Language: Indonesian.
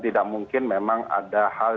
tidak mungkin memang ada hal